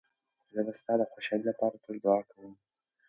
زه به ستا د خوشحالۍ لپاره تل دعا کوم.